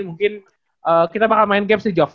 mungkin kita bakal main game sih jog